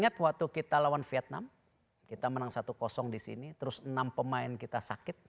ya itu waktu kita lawan vietnam kita menang satu disini terus enam pemain kita sakit